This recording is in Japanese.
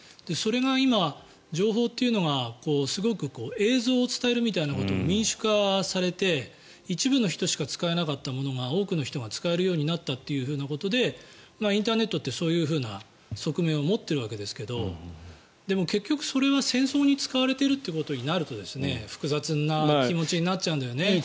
それが今、情報というのがすごく映像を伝えるみたいなことが民主化されて一部の人しか使えなかったものが多くの人が使えるようになったということでインターネットってそういう側面を持っているわけですがでも、結局それが戦争に使われているということになると複雑な気持ちになっちゃうんだよね。